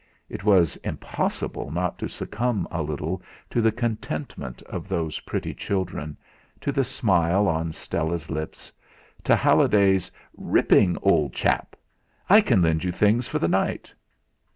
It was impossible not to succumb a little to the contentment of these pretty children, to the smile on Stella's lips, to Halliday's "Ripping, old chap! I can lend you things for the night!"